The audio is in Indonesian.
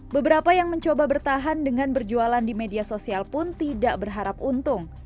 beberapa yang mencoba bertahan dengan berjualan di media sosial pun tidak berharap untung